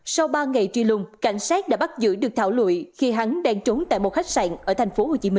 sau ba ngày truy lùng cảnh sát đã bắt giữ được thảo lụi khi hắn đang trốn tại một khách sạn ở tp hcm